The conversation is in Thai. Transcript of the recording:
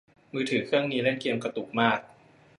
มือถือเครื่องนี้เล่นเกมกระตุกมาก